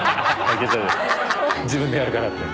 自分でやるからって。